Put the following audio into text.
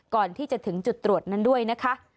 ก่อนที่จะถึงจุดตรวจนั้นด้วยนะคะ